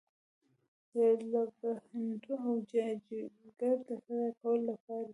د لکهنوتي او جاجینګر د فتح کولو لپاره.